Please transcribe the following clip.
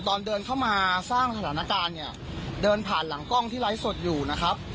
ตอนเดินเข้ามาสร้างสถานการณ์เนี่ยเดินผ่านหลังกล้องที่ไลฟ์สดอยู่นะครับ